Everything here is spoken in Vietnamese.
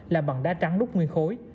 là bằng đá trắng lúc nguyên khối